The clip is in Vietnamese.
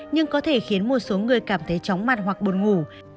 nhưng có thể khiến một số người cảm thấy chóng mặt hoặc buồn ngủ